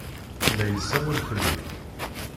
La yessawal fell-ak.